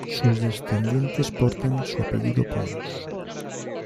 Sus descendientes portan su apellido Pons.